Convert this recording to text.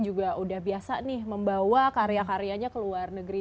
juga udah biasa nih membawa karya karyanya ke luar negeri